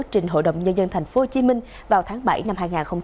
trên hội đồng nhân dân thành phố hồ chí minh vào tháng bảy năm hai nghìn hai mươi ba